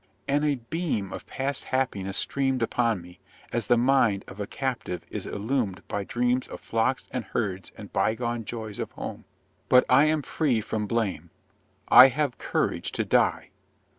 And a beam of past happiness streamed upon me, as the mind of a captive is illumined by dreams of flocks and herds and bygone joys of home! But I am free from blame. I have courage to die!